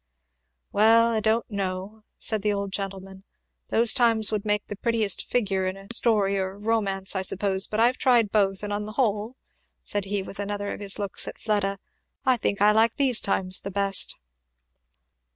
"Well I don't know " said the old gentleman; "those times would make the prettiest figure in a story or a romance, I suppose; but I've tried both, and on the whole," said he with another of his looks at Fleda, "I think I like these times the best!"